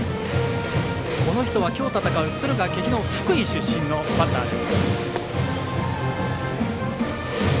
この人はきょう戦う敦賀気比福井出身のバッターです。